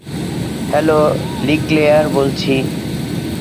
Hello, Leclair বলছি।